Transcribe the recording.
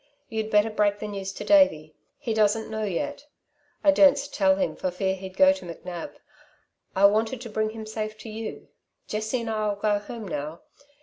You'd better break the news to Davey. He doesn't know yet. I dursn't tell him for fear he'd go to McNab. I wanted to bring him safe to you. Jessie and I'll go home now.